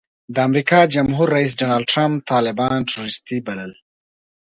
د امریکا جمهور رئیس ډانلډ ټرمپ طالبان ټروریسټي بلل.